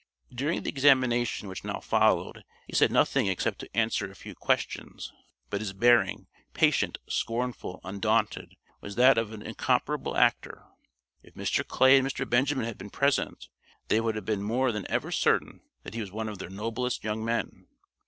During the examination which now followed he said nothing except to answer a few questions, but his bearing patient, scornful, undaunted was that of an incomparable actor. If Mr. Clay and Mr. Benjamin had been present, they would have been more than ever certain that he was one of their noblest young men.